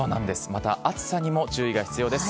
また暑さにも注意が必要です。